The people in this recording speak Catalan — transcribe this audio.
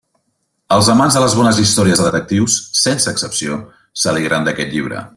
Els amants de les bones històries de detectius, sense excepció, s'alegren d'aquest llibre.